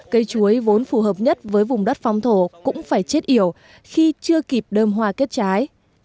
cây chuối vốn phù hợp nhất với vùng đất phong thổ cũng phải chết yểu khi chưa kịp đơm hoa kết trái